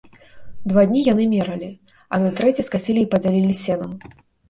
Два дні яны мералі, а на трэці скасілі і падзялілі сенам.